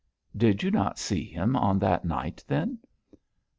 'Did you not see him on that night, then?'